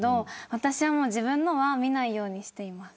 私は自分のは見ないようにしています。